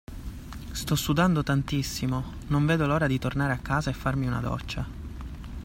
Sto sudando tantissimo, non vedo l'ora di tornare a casa e farmi una doccia.